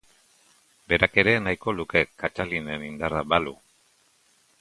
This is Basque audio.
Berak ere nahiko luke Kattalinen indarra balu...